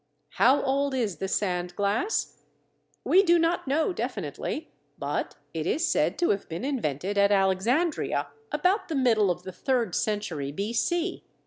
How old is the sand glass? We do not know definitely, but it is said to have been invented at Alexandria about the middle of the third century B.C.